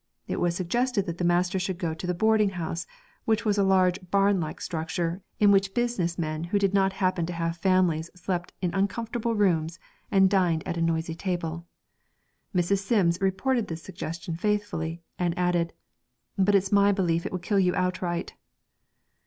It was suggested that the master should go to 'the boarding house,' which was a large barn like structure, in which business men who did not happen to have families slept in uncomfortable rooms and dined at a noisy table. Mrs. Sims reported this suggestion faithfully, and added: 'But it's my belief it would kill you outright.'